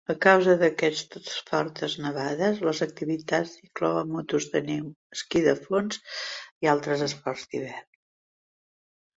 A causa d'aquestes fortes nevades, les activitats inclouen motos de neu, esquí de fons i altres esports d'hivern.